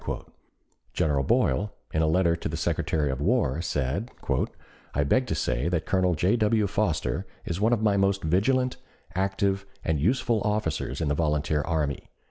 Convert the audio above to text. General Boyle, in a letter to the Secretary of War, said: "I beg to say that Colonel J. W. Foster is one of the most vigilant, active, and useful officers in the volunteer army.